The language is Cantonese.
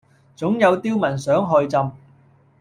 總有刁民想害朕